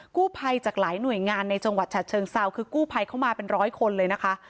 กู้ภัยจากหลายหน่วยงานในจังหวัดฉะเชิงเซาคือกู้ภัยเข้ามาเป็นร้อยคนเลยนะคะ